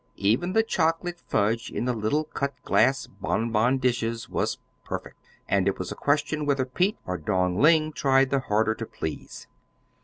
Even the chocolate fudge in the little cut glass bonbon dishes was perfect; and it was a question whether Pete or Dong Ling tried the harder to please.